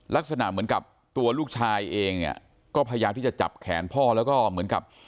ลักษณะเหมือนกับตัวลูกชายเองเนี่ยก็พยายามที่จะจับแขนพ่อแล้วก็เหมือนกับ